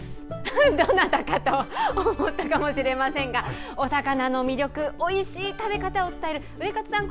どなかたと思ったかもしれませんがお魚の魅力おいしい食べ方を伝えるウエカツさん